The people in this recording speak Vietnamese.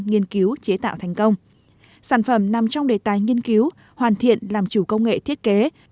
nghiên cứu chế tạo thành công sản phẩm nằm trong đề tài nghiên cứu hoàn thiện làm chủ công nghệ thiết kế